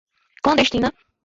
clandestina